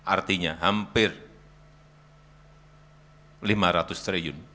artinya hampir lima ratus triliun